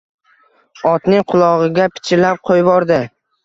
Otning qulog‘iga pichirlab qo‘yvordi.